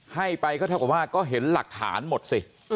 ให้ไปก็เท่ากับว่าก็เห็นหลักฐานหมดสิ